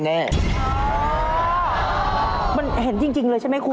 มันเห็นจริงเลยใช่ไหมคุณ